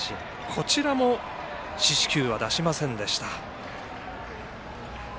こちらも、四死球は出しませんでした。